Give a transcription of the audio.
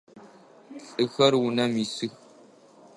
Лӏыхэр унэм исых.